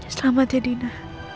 selamat ya dina